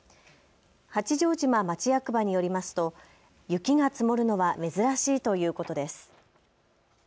八丈島町役場によりますと雪が積もるのは珍しいということです。